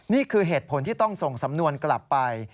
นี่คือเหตุผลที่ต้องส่งสำนวนกลับไป